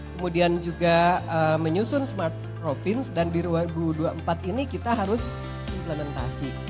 kemudian juga menyusun smart ropins dan di dua ribu dua puluh empat ini kita harus implementasi